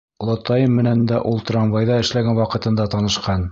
Олатайым менән дә ул трамвайҙа эшләгән ваҡытында танышҡан.